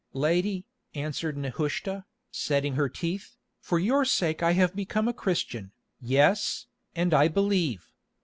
"Lady," answered Nehushta, setting her teeth, "for your sake I have become a Christian, yes, and I believe.